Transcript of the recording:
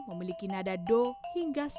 memiliki nada do hingga